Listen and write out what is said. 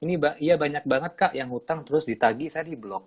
iya banyak banget kak yang hutang terus ditagi saya di blog